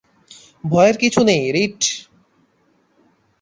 ভয়ের কিছু নেই, রিট।